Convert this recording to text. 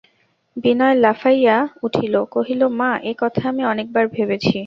বিনয় লাফাইয়া উঠিল, কহিল, মা, এ কথা আমি অনেক বার ভেবেছি।